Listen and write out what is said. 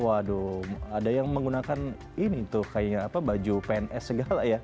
waduh ada yang menggunakan ini tuh kayaknya apa baju pns segala ya